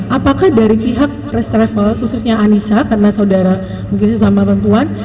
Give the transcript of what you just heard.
apakah dari pihak first travel khususnya anissa karena saudara mungkin sesama perempuan